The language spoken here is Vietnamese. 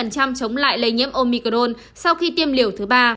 chống lại lây nhiễm omicron sau khi tiêm liều thứ ba